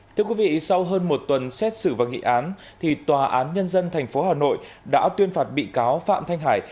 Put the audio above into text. thưa quý vị sau hơn một tuần xét xử và nghị án tòa án nhân dân tp hà nội đã tuyên phạt bị cáo phạm thanh hải